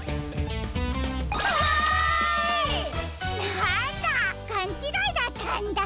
なんだかんちがいだったんだ。